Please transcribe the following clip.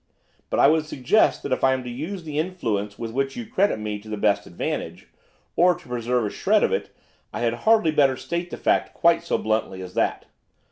But I would suggest that if I am to use the influence with which you credit me to the best advantage, or to preserve a shred of it, I had hardly better state the fact quite so bluntly as that.